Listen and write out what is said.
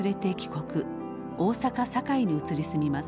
大阪・堺に移り住みます。